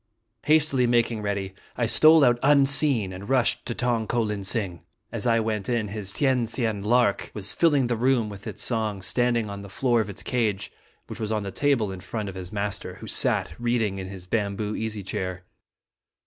Hastily making ready, I stole out unseen, and rushed to Tong ko lin sing. As I went in, his Tien Sien lark was filling the room with its song, standing on the floor of its cage, which was on the table in front of his master, who sat reading in his bamboo easy chair.